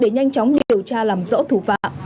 nhanh chóng điều tra làm rõ thủ phạm